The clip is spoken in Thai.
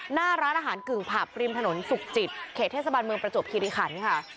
หน้าร้านอาหารกึ่งผับริมถนนสุขจิตเขตเทศบาลเมืองประจวบคิริขันค่ะ